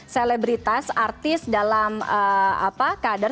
selebritas artis dalam kader